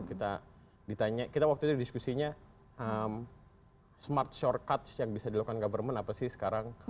kita ditanya kita waktu itu diskusinya smart shortcuts yang bisa dilakukan government apa sih sekarang